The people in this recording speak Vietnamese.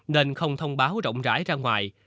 nên không thông báo rộng rãi ra ngoài